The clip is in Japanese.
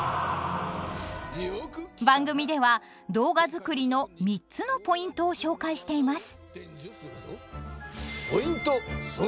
番組では動画作りの３つのポイントを紹介しています。